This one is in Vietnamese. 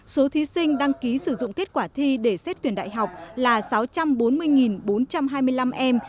số thí sinh đăng ký sử dụng kết quả thi để xét tuyển đại học là sáu trăm bốn mươi bốn trăm hai mươi năm em